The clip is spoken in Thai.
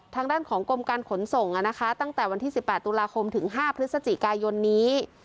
ทางด้านของกรมการขนส่งตั้งแต่วันที่๑๘ตุลาคมถึง๕พฤศจิกายนนี้